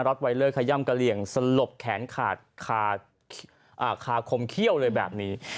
ไวเลอร์ขย่ำกะเหลี่ยงสลบแขนขาดคาคมเขี้ยวเลยแบบนี้